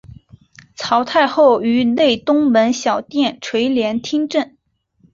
曹太后于内东门小殿垂帘听政。